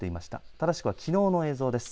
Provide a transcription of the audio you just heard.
正しくはきのうの映像です。